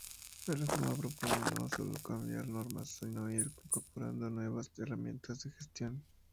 La reforma propone no sólo cambiar normas, sino ir incorporando nuevas herramientas de gestión.